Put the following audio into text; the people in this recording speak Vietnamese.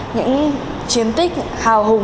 những chiến tích hào hùng